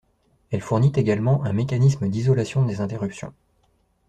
Elle fournit également un mécanisme d’isolation des interruptions.